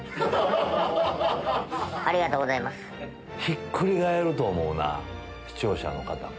ひっくり返ると思うな視聴者の方も。